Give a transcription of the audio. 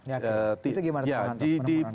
itu gimana teman teman anda